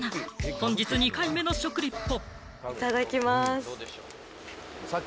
本日２回目の食リポ。